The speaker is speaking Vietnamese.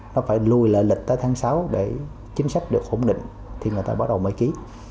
nó phải lùi lại lịch tới tháng sáu để chính sách được ổn định thì người ta bắt đầu mới ký